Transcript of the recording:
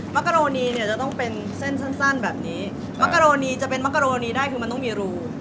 กะโรนีเนี่ยจะต้องเป็นเส้นสั้นแบบนี้มักกะโรนีจะเป็นมะกะโรนีได้คือมันต้องมีรู